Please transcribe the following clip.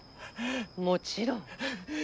もちろん。